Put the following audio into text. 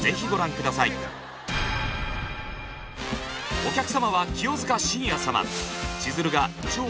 お客様は清塚信也様。